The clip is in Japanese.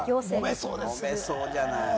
もめそうじゃない？